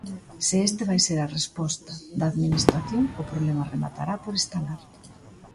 Se esta vai ser a resposta da Administración, o problema rematará por estalar.